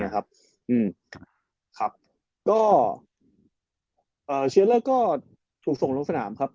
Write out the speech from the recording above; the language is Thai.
ก็เชียร์เลอร์ก็ถูกส่งลงสนามครับ